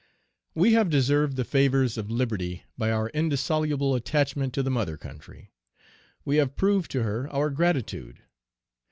"We have deserved the favors of liberty, by our indissoluble attachment to the mother country. We have proved to her our gratitude.